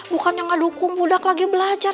bukannya gak dukung budak lagi belajar